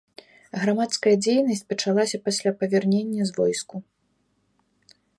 Грамадская дзейнасць пачалася пасля павернення з войску.